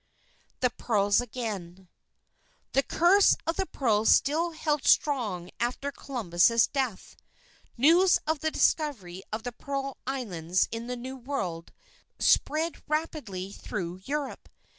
THE PEARLS AGAIN The curse of the pearls still held strong after Columbus's death. News of the discovery of the Pearl Islands in the New World, spread rapidly through Europe.